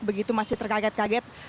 begitu masih terkaget kaget